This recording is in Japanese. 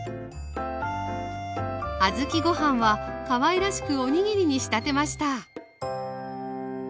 小豆ご飯はかわいらしくおにぎりに仕立てました